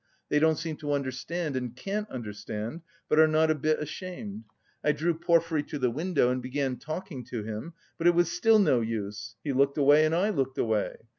They don't seem to understand and can't understand, but are not a bit ashamed. I drew Porfiry to the window, and began talking to him, but it was still no use. He looked away and I looked away.